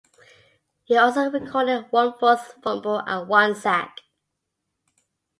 He also recorded one forced fumble and one sack.